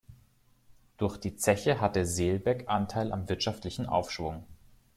Durch die Zeche hatte Selbeck Anteil am wirtschaftlichen Aufschwung.